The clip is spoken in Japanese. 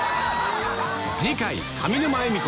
次回上沼恵美子